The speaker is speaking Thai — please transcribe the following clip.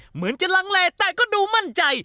เหมือนจะลังแหล่แต่ก็ดูมั่นใจ